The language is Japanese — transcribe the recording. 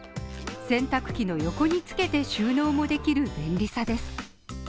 洗濯機の横につけて収納もできる便利さです。